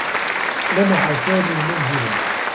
لمح سامي منزلا.